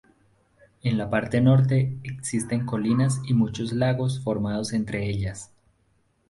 En la parte norte, existen colinas y muchos lagos formados entre ellas.